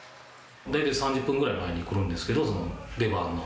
大体３０分ぐらい前に来るんですけど出番の。